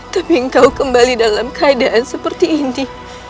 tapi engkau kembali dalam keadaan seperti ini